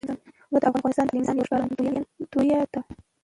واوره د افغانستان د اقلیمي نظام یوه ښکارندوی ده.